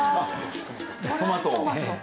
トマトを？